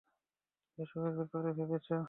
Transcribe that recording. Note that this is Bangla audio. এসবের ব্যাপারে ভেবেছ?